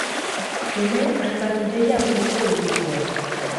Hemen hainbat ideia aurkituko dituzue.